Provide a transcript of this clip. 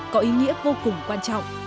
có ý nghĩa vô cùng quan trọng